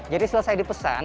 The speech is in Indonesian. jadi selesai di pesan